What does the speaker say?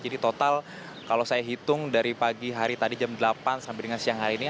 jadi total kalau saya hitung dari pagi hari tadi jam delapan sampai dengan siang hari ini